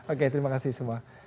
oke terima kasih semua